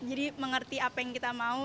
mengerti apa yang kita mau